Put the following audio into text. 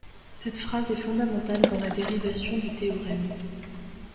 Cette phrase est fondamentale dans la dérivation du théorème.